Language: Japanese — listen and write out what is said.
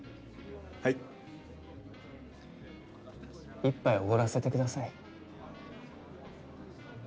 はい一杯おごらせてください